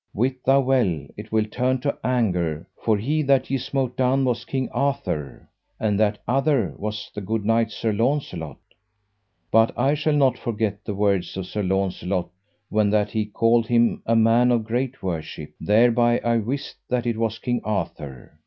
Wit thou well it will turn to anger, for he that ye smote down was King Arthur, and that other was the good knight Sir Launcelot. But I shall not forget the words of Sir Launcelot when that he called him a man of great worship, thereby I wist that it was King Arthur.